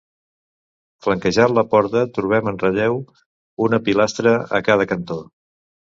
Flanquejant la porta trobem en relleu una pilastra a cada cantó.